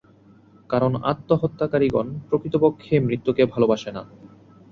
কারণ আত্মহত্যাকারিগণ প্রকৃতপক্ষে মৃত্যুকে ভালবাসে না।